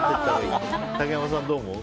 竹山さん、どう思う？